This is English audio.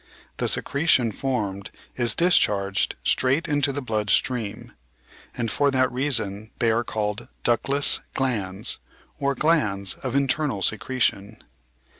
The secretion formed is discharged straight into the blood stream, and for that reason they are called ductless glands or glands of internal secretion.